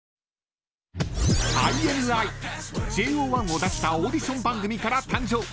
ＩＮＩＪＯ１を出したオーディション番組から誕生。